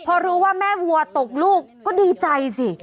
พอรู้ว่าแม่วัวตกลูกก็ดีใจสิ